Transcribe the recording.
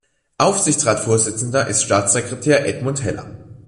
Aufsichtsratsvorsitzender ist Staatssekretär Edmund Heller.